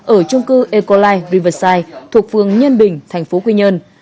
ở chung cư ecolife riverside thuộc phương nhân bình thành phố quy nhơn